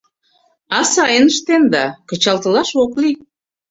А сайын ыштенда, кычалтылаш ок лий.